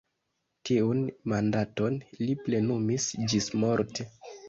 Tiun mandaton li plenumis ĝismorte.